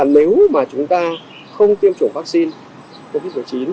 nếu mà chúng ta không tiêm chủng vắc xin covid một mươi chín